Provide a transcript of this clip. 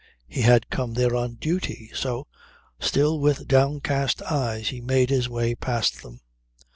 He had come there on duty. So, still with downcast eyes, he made his way past them.